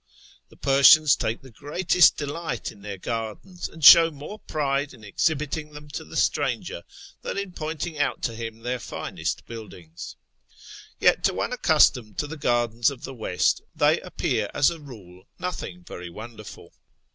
The Persians take the greatest delight in their gardens, and show more pride in exhibiting them to the stranger than in pointing out to him their finest buildings. Yet to one accustomed to the gardens of the West they appear, as a rule, nothing very wonderful.